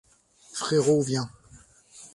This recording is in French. Frérot vient.